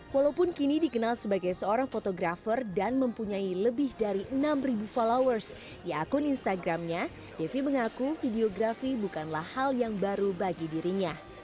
walaupun kini dikenal sebagai seorang fotografer dan mempunyai lebih dari enam followers di akun instagramnya devi mengaku videografi bukanlah hal yang baru bagi dirinya